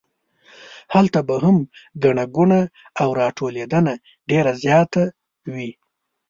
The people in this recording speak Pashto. هلته به هم ګڼه ګوڼه او راټولېدنه ډېره زیاته وي.